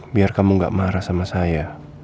biar kamu gak marah sama saya